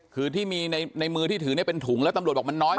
คือที่มีในมือที่ถือเป็นถุงแล้วตำรวจบอกมันน้อย